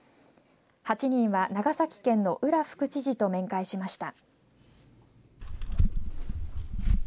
８人は長崎県の浦副知事と面会しました。